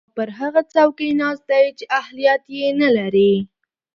او پر هغه څوکۍ ناست دی چې اهلیت ېې نلري